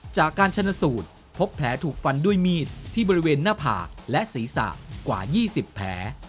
จากการชนสูตรพบแผลถูกฟันด้วยมีดที่บริเวณหน้าผากและศีรษะกว่า๒๐แผล